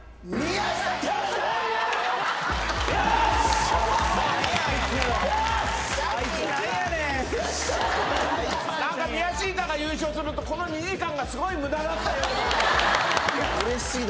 あいつ何やねん何かミヤシータが優勝するとこの２時間がすごい無駄だったような